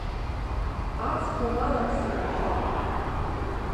Ацқәа налаԥсит ажьа.